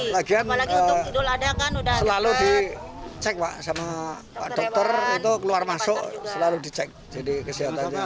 lagian selalu dicek pak sama pak dokter itu keluar masuk selalu dicek jadi kesehatannya